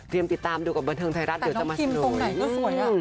เรียมติดตามดูกับบรรเทิงไทรสเดี๋ยวจะมาซึนหน่อย